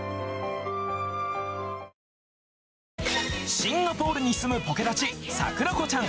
シンガポールに住むポケだちさくらこちゃん。